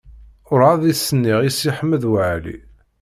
Ur ɛad i s-nniɣ i Si Ḥmed Waɛli.